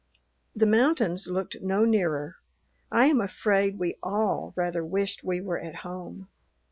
The mountains looked no nearer. I am afraid we all rather wished we were at home.